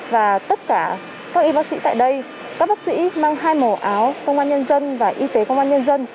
và tất cả các y bác sĩ tại đây các bác sĩ mang hai màu áo công an nhân dân và y tế công an nhân dân